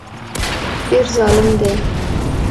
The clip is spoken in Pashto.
ډېر ظالم دی.